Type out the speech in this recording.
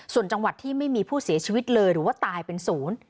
ส่วนจังหวัดที่ไม่มีผู้เสียชีวิตเลยหรือว่าตายเป็นศูนย์